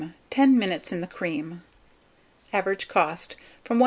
10 minutes in the cream. Average cost, from 1s.